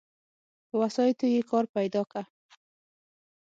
په واسطو يې کار پيدا که.